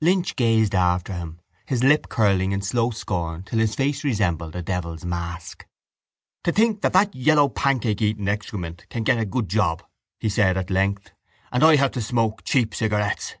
Lynch gazed after him, his lip curling in slow scorn till his face resembled a devil's mask: —To think that that yellow pancake eating excrement can get a good job, he said at length, and I have to smoke cheap cigarettes!